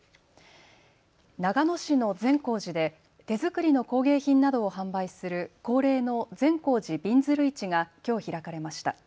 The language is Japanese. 長野市の善光寺で手作りの工芸品などを販売する恒例の善光寺びんずる市がきょう開かれました。